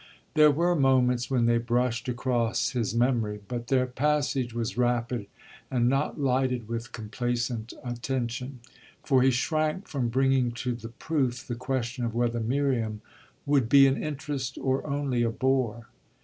There were moments when they brushed across his memory, but their passage was rapid and not lighted with complacent attention; for he shrank from bringing to the proof the question of whether Miriam would be an interest or only a bore.